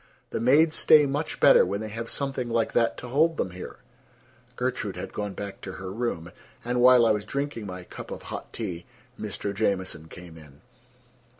The maids stay much better when they have something like that to hold them here." Gertrude had gone back to her room, and while I was drinking my cup of hot tea, Mr. Jamieson came in.